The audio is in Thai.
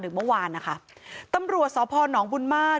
หนึ่งเมื่อวานนะคะตำรวชสพนำบุญมาก